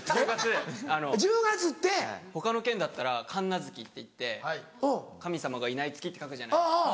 他の県だったら神無月っていって神様がいない月って書くじゃないですか。